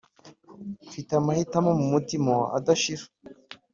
mfite amahitamo mumutima adashira